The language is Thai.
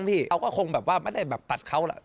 เขาก็คงแบบว่าไม่ได้ตัดเขาหรอก